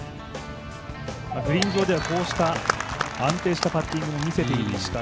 グリーン上ではこうした安定したパッティングを見せていました。